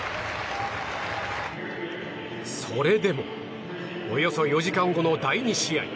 それでもおよそ４時間後の第２試合。